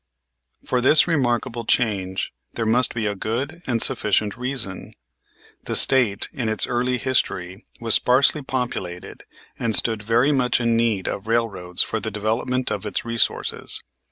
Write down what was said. For this remarkable change there must be a good and sufficient reason. The State in its early history was sparsely populated, and stood very much in need of railroads for the development of its resources.